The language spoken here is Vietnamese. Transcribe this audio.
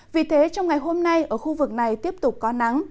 vì thế trong ngày hôm nay ở khu vực này tiếp tục có nắng